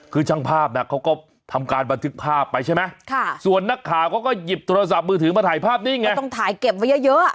คือช่างภาพก็ทำการบันทึกภาพไปส่วนนักข่าก็หยิบมือถือต้องถ่ายภาพด้วย